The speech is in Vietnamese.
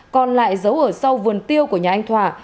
còn lại giấu ở sau vườn tiêu của nhà anh thỏa